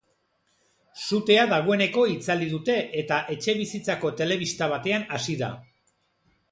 Sutea dagoeneko itzali dute eta etxebizitzako telebista batean hasi da.